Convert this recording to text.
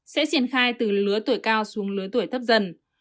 sẽ triển khai từ lứa tuổi cao xuống lứa tuổi thấp dần